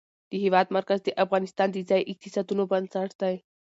د هېواد مرکز د افغانستان د ځایي اقتصادونو بنسټ دی.